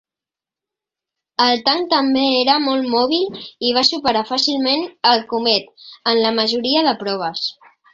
El tanc també era molt mòbil i va superar fàcilment el Comet en la majoria de proves.